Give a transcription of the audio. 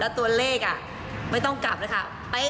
ตัวเลขไม่ต้องกลับเลยค่ะ